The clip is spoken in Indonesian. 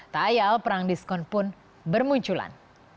tayal perang diskon pun bermunculan